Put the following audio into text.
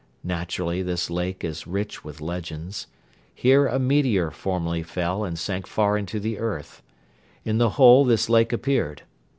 Naturally this lake is rich with legends. Here a meteor formerly fell and sank far into the earth. In the hole this lake appeared.